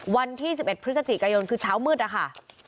วันที่๑๑พฤศจิกายนคือเช้ามืดนะคะ